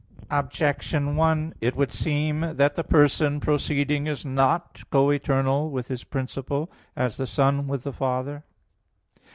Objection 1: It would seem that the person proceeding is not co eternal with His principle, as the Son with the Father.